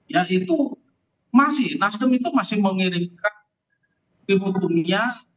ya itu masih nasdem itu masih mengirimkan ibu dunia